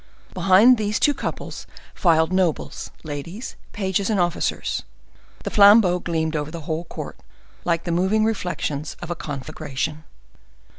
Behind these two couples filed nobles, ladies, pages and officers; the flambeaux gleamed over the whole court, like the moving reflections of a conflagration.